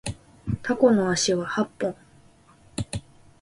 タコの足は八本